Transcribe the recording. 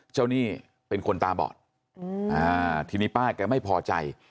หนี้เป็นคนตาบอดทีนี้ป้าแกไม่พอใจ